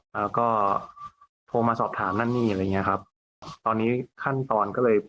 แล้วก็โทรมาสอบถามนั่นนี่อะไรอย่างเงี้ยครับตอนนี้ขั้นตอนก็เลย